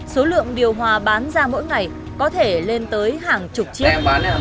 số lượng điều hòa bán ra mỗi ngày có thể lên tới hàng chục triệu